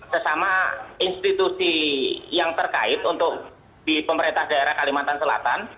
sesama institusi yang terkait untuk di pemerintah daerah kalimantan selatan